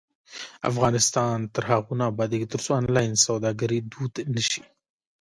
افغانستان تر هغو نه ابادیږي، ترڅو آنلاین سوداګري دود نشي.